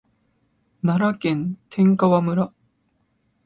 奈良県天川村